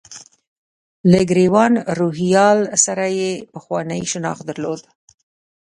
له ګران روهیال سره یې پخوانی شناخت درلود.